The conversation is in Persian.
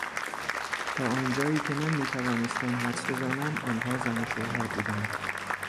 تا آنجایی که من میتوانستم حدس بزنم آنها زن و شوهر بودند.